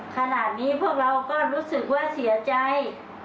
ขณะนี้พวกเราก็รู้สึกว่าเสียใจ